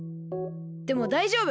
でもだいじょうぶ！